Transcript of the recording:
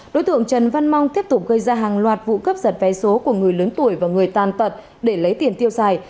đối tượng trần văn mong tiếp tục gây ra hàng loạt vụ cướp giật vé số của người lớn tuổi và người tàn tật để lấy tiền tiêu xài